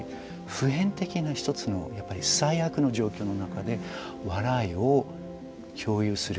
普遍的な、一つの最悪の状況の中で笑いを共有する。